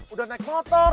udah naik motor